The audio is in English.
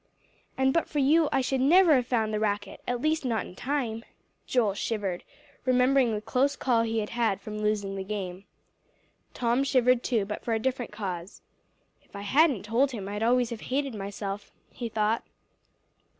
"And but for you I should never have found the racket, at least not in time." Joel shivered, remembering the close call he had had from losing the game. Tom shivered too, but for a different cause. "If I hadn't told him, I'd always have hated myself," he thought.